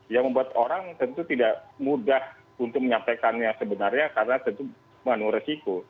yang membuat orang tentu tidak mudah untuk menyampaikannya sebenarnya karena tentu menu resiko